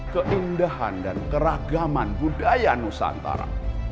keindahan dan keragaman budaya nusantara